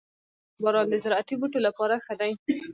• باران د زراعتي بوټو لپاره ښه دی.